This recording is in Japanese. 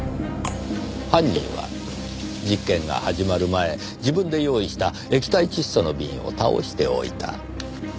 犯人は実験が始まる前自分で用意した液体窒素の瓶を倒しておいた。